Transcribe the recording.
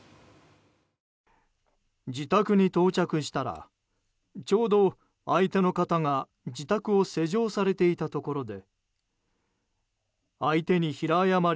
自宅に到着したらちょうど相手の方が自宅を施錠されていたところで。